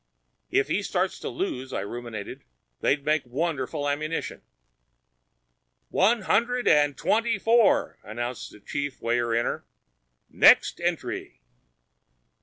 "If he starts to lose," I ruminated, "they'd make wonderful ammunition—" "One hundred and twenty four," announced the chief weigher inner. "Next entry!"